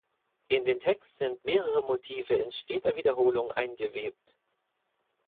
In den Text sind mehrere Motive in steter Wiederholung eingewebt.